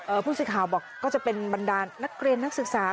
เอ่อพูดสิทธิ์ข่าวบอกก็จะเป็นบรรดานนักเรียนนักศึกษา